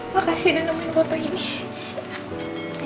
makasih udah nungguin foto ini